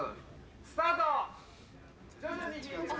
スタート。